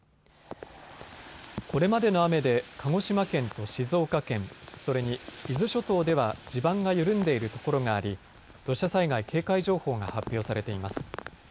これまでの雨で鹿児島県と静岡県、それに伊豆諸島では地盤が緩んでいるところがあり土砂災害警戒情報が発表されています。